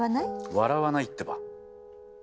笑わないってば。